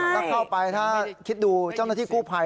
ถ้าเข้าไปถ้าคิดดูเจ้าหน้าที่กู้ภัย